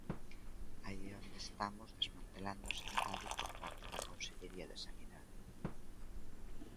Aí é onde estamos desmantelando a sanidade por parte da Consellería de Sanidade.